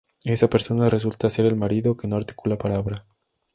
Esa persona resulta ser el marido, que no articula palabra.